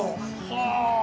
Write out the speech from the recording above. はあ。